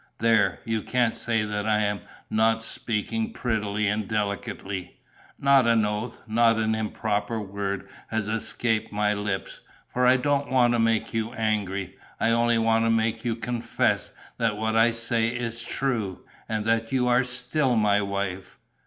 There, you can't say that I am not speaking prettily and delicately. Not an oath, not an improper word has escaped my lips. For I don't want to make you angry. I only want to make you confess that what I say is true and that you are still my wife.